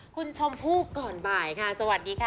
คุณชมพู่ก่อนบ่ายค่ะสวัสดีค่ะ